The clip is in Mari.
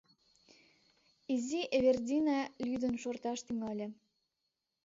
Изи Эвердина лӱдын шорташ тӱҥале.